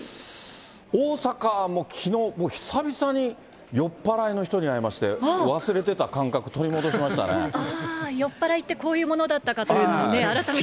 大阪もきのう、久々に酔っぱらいの人に会いまして、忘れてた感覚、ああ、酔っ払いってこういうものだったって、改めて。